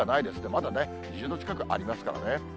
まだ２０度近くありますからね。